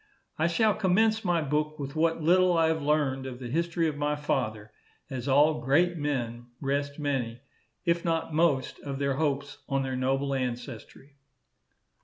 I shall commence my book with what little I have learned of the history of my father, as all great men rest many, if not most, of their hopes on their noble ancestry.